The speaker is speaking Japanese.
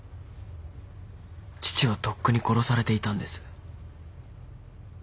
父はとっくに殺されていたんです。